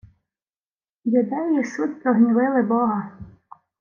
— Юдеї суть прогнівили бога.